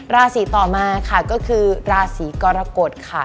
ราศีต่อมาค่ะก็คือราศีกรกฎค่ะ